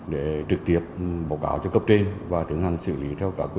để trực tiếp báo cáo cho cấp trên và thường hành xử lý theo các quy định